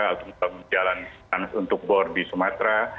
atau membangun jalan tanah untuk bor di sumatera